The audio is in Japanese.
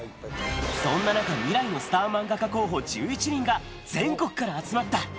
そんな中、未来のスター漫画家候補１１人が、全国から集まった。